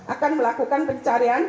akan melakukan pencarian